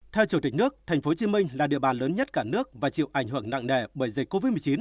theo chủ tịch nước tp hcm là địa bàn lớn nhất cả nước và chịu ảnh hưởng nặng nề bởi dịch covid một mươi chín